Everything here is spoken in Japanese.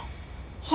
はい。